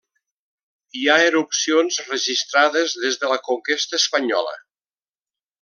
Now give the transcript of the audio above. Hi ha erupcions registrades des de la conquesta espanyola.